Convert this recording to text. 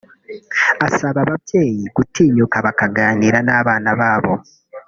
asaba ababyeyi gutinyuka bakaganira n’abana babo